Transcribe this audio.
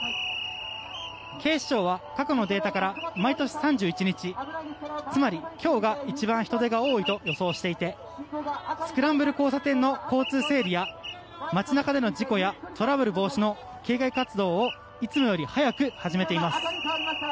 警視庁は過去のデータから毎年３１日つまり、今日が一番人出が多いと予想していてスクランブル交差点の交通整理や街中での事故やトラブル防止の警戒活動をいつもより早く始めています。